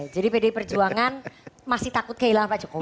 jadi pdi perjuangan masih takut kehilangan pak jokowi